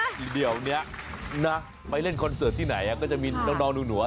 สนุกนะเดี๋ยวนี้นะไปเร่นคอนเสิร์ตที่ไหนก็จะมีน้องหนุ่มหน่วย